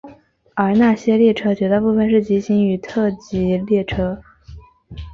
而那些列车绝大部分是急行与特急列车。